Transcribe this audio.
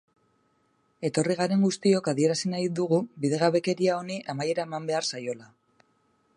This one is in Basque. Etorri garen guztiok adierazi nahi dugu bidegabekeria honi amaiera eman behar zaiola.